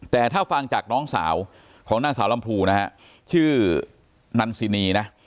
แต่ถ้าฟังจากน้องสาวของนางสาวลำพูนะฮะชื่อนันซินีนะ